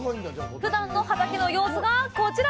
ふだんの畑の様子がこちら。